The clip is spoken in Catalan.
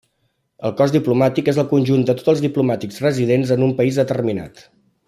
El cos diplomàtic és el conjunt de tots els diplomàtics residents en un país determinat.